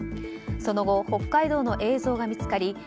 その後、北海道の映像が見つかり